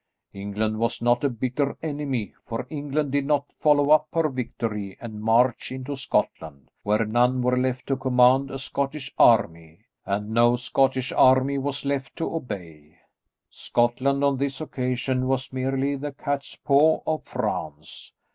England was not a bitter enemy, for England did not follow up her victory and march into Scotland, where none were left to command a Scottish army, and no Scottish army was left to obey. Scotland, on this occasion, was merely the catspaw of France.